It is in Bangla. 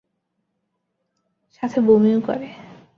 সাথে বমিও করে।